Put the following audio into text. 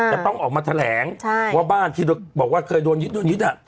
จะต้องออกมาแถลงว่าบ้านที่บอกว่าเคยโดนยึดโดนยึดอ่ะ